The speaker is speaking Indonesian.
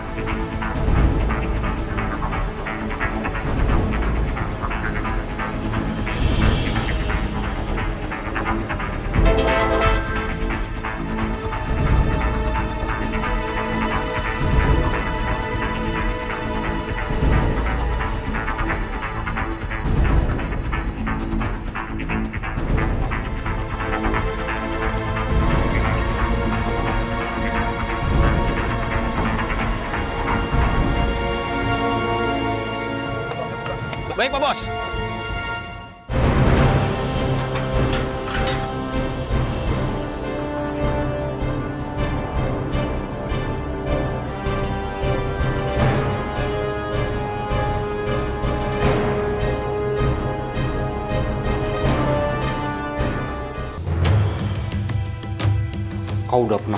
sisi rumah ini